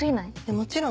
もちろん